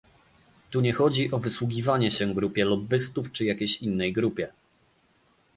Tu nie chodzi o wysługiwanie się grupie lobbystów czy jakiejś innej grupie